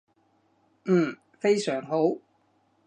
嗯，非常好